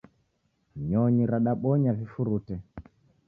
Nyonyi radabonya vifurute.